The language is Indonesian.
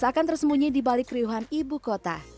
sakan tersembunyi di balik kriuhan ibu kota